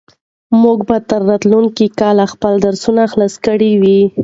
موږ به تر راتلونکي کاله خپل درسونه خلاص کړي وي.